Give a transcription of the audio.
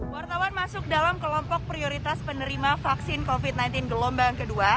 wartawan masuk dalam kelompok prioritas penerima vaksin covid sembilan belas gelombang kedua